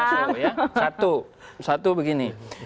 satu satu begini